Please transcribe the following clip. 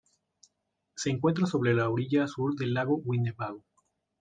Se encuentra sobre la orilla sur del lago Winnebago.